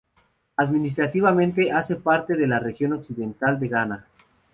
Administrativamente hace parte de la Región Occidental de Ghana.